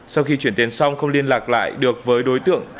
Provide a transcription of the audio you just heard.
sau khi chuyển tiền xong không liên lạc lại được với đối tượng